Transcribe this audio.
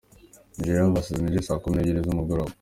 Nigeria vs Niger: saa kumi n’ebyiri z’umugoroba.